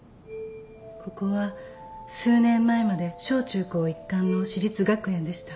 ここは数年前まで小中高一貫の私立学園でした。